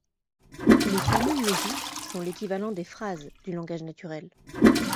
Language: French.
Les formules logiques sont l'équivalent des phrases du langage naturel.